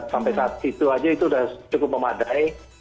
sampai saat itu aja itu sudah cukup memadai